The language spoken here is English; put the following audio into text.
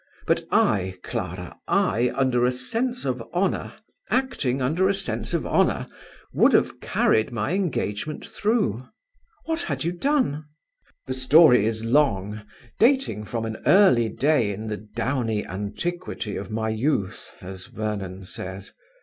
But I, Clara, I, under a sense of honour, acting under a sense of honour, would have carried my engagement through." "What had you done?" "The story is long, dating from an early day, in the 'downy antiquity of my youth', as Vernon says."